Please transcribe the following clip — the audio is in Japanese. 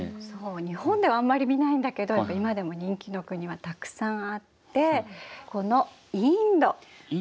そう日本ではあんまり見ないんだけどやっぱり今でも人気の国はたくさんあってこのインド。